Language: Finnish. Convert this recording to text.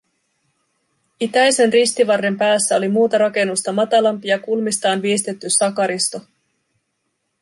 Itäisen ristivarren päässä oli muuta rakennusta matalampi ja kulmistaan viistetty sakaristo